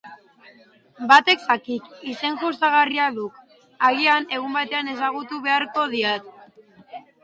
Batek zakik, izen jostagarria duk, agian egunen baten ezagutu beharko diat.